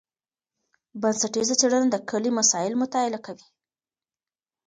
بنسټیزه څېړنه د کلي مسایلو مطالعه کوي.